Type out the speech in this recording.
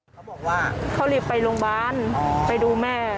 เขาบอกว่าเขารีบไปโรงพยาบาลไปดูแม่